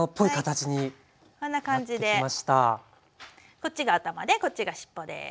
こっちが頭でこっちが尻尾です。